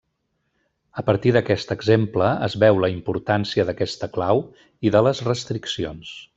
A partir d'aquest exemple es veu la importància d'aquesta clau i de les restriccions.